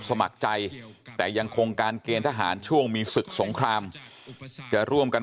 สมัครใจแต่ยังคงการเกณฑ์ทหารช่วงมีศึกสงครามจะร่วมกัน